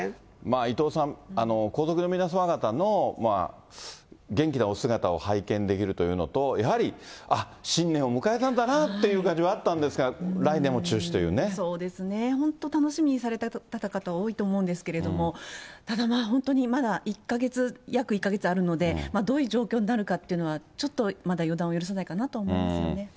伊藤さん、皇族の皆様方の元気なお姿を拝見できるというのと、やはり、あっ、新年を迎えたんだなという感じもあったんですが、そうですね、本当楽しみにされた方々多いと思うんですけれども、ただまあ、本当にまだ１か月、約１か月あるので、どういう状況になるのか、ちょっとまだ予断を許さないかなと思いますよね。